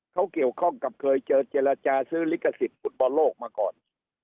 เขาเกี่ยวคร่องกับเคยเจอเจรัจ์จาซื้อฤกษิศภูมิโลกมาก่อน